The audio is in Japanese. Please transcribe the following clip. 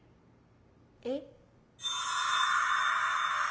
えっ？